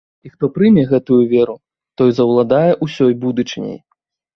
І хто прыме гэтую веру, той заўладае ўсёй будучыняй.